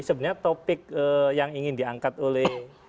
sebenarnya topik yang ingin diangkat oleh